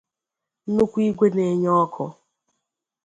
nnukwu igwe na-enye ọkụ